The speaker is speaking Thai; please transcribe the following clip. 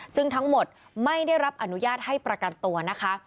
ซึ่งทั้งหมดไม่ได้รับอนุญาตให้ประกันตัวนะคะ